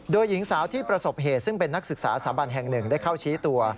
โดยหญิงสาวที่ประสบเหตุซึ่งเป็นนักศึกษาสาบันแห่งหนึ่งได้เข้าชี้ตัว